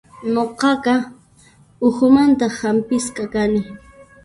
Nuqaqa uhumanta hampisqa kani.